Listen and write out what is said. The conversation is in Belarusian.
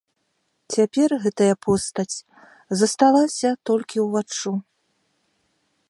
Цяпер гэтая постаць засталася толькі ўваччу.